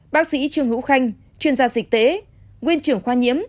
bác sĩ trương hữu khanh chuyên gia dịch tễ nguyên trưởng khoa nhiễm